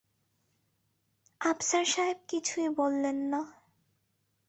আফসার সাহেব কিছুই বললেন না।